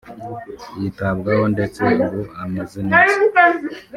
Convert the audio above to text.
yitabwaho ndetse ubu ameze neza